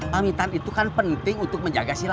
pamitan itu kan penting untuk menjaga sila